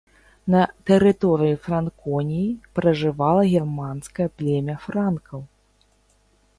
На тэрыторыі франконіі пражывала германскае племя франкаў.